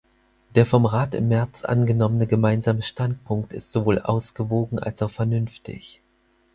Der vom Rat im März angenommene Gemeinsame Standpunkt ist sowohl ausgewogen als auch vernünftig.